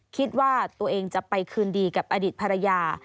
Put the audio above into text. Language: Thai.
คิดว่าตัวเองจะไปคืนดีกับอดีตภรรยา